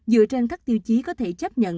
dựa trên các tiêu chí có thể chấp nhận